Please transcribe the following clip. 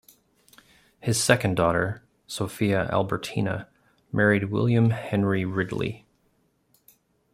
His second daughter, Sophia Albertina, married William Henry Ridley.